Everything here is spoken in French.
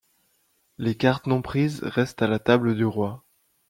Les cartes non prises restent à la table du roi.